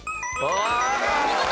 お見事！